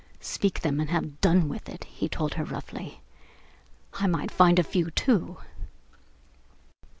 "Speak them and have done with it," he told her roughly. "I might find a few, too."